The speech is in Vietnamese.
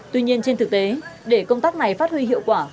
tuy nhiên trên thực tế để công tác này phát huy hiệu quả